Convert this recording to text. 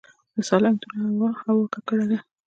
د سالنګ تونل هوا ککړه ده